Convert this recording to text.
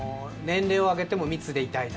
年齢を上げても密でいたい。